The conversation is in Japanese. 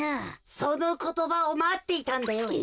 そのことばをまっていたんだよ。